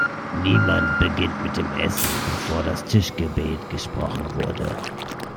Niemand beginnt mit dem Essen, bevor das Tischgebet gesprochen wurde!